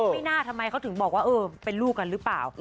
ไม่น่าทำไมเขาถึงบอกว่าเออเป็นลูกกันหรือเปล่า